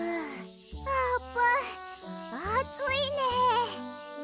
あーぷんあついねえ。